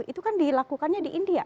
itu kan dilakukannya di india